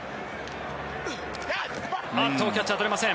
あっとキャッチャーとれません。